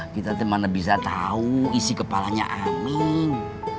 kita mana bisa tahu isi kepalanya amin